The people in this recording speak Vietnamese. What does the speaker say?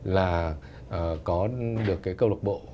là có được cái cầu lục bộ